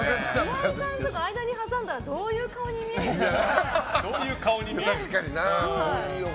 岩井さんとか間に挟んだらどういう顔に見えるんですかね。